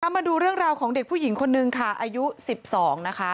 มาดูเรื่องราวของเด็กผู้หญิงคนนึงค่ะอายุ๑๒นะคะ